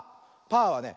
パーはね